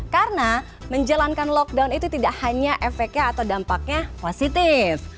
karena menjalankan lockdown itu tidak hanya efeknya atau dampaknya positif